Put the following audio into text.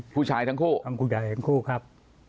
ผู้ชายทั้งคู่ใช่ครับ